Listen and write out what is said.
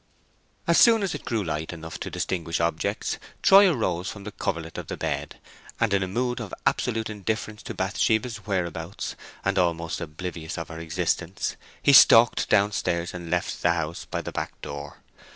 As soon as it grew light enough to distinguish objects, Troy arose from the coverlet of the bed, and in a mood of absolute indifference to Bathsheba's whereabouts, and almost oblivious of her existence, he stalked downstairs and left the house by the back door.